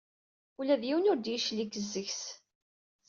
Ula d yiwen ur d-yeclig seg-s.